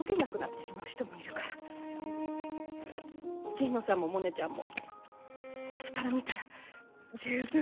神野さんもモネちゃんも私から見たら十分すごい。